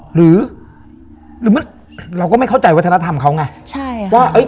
หรือเราก็ไม่เข้าใจวัฒนธรรมเขาไงว่า